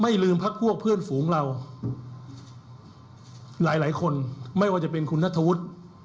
ไม่ลืมพรรคพวกเพื่อนฝูงเราหลายคนไม่ว่าจะเป็นคุณนัฐวุธ